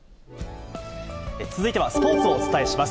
続いてはスポーツをお伝えします。